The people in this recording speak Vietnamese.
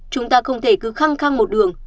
chúng ta không thể cứ khăng khăng một đường